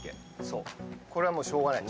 これはもうしょうがない。